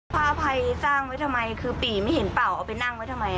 พระอภัยสร้างไว้ทำไมคือปี่ไม่เห็นเปล่าเอาไปนั่งไว้ทำไม